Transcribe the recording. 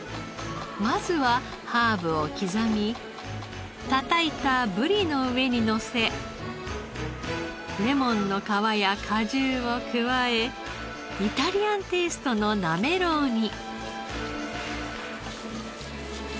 まずはハーブを刻みたたいたブリの上にのせレモンの皮や果汁を加えイタリアンテイストのなめろうに。